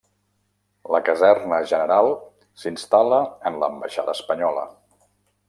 La caserna general s'instal·la en l'ambaixada espanyola.